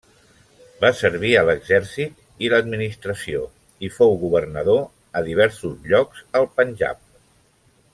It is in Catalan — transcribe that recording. Va servir a l'exèrcit i l'administració i fou governador a diversos llocs al Panjab.